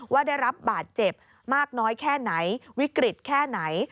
ว่าได้รับบาดเจ็บมากน้อยแค่ไหนวิกฤตแค่ไหน